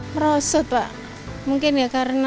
merosot pak mungkin ya karena